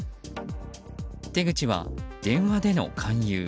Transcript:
手口は、電話での勧誘。